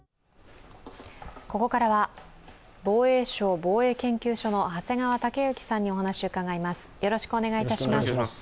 ここからは防衛省防衛研究所の長谷川雄之さんにお話を伺います。